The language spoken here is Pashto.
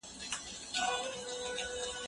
زه هره ورځ د کتابتون د کار مرسته کوم!.